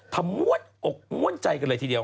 ทำมวดอกมวลใจกันเลยทีเดียว